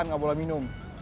nggak boleh minum